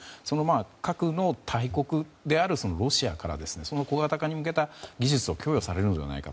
核の大国であるロシアからその小型化に向けた技術を供与されるのではないか。